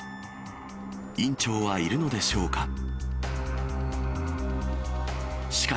院長はいるのでしょうか。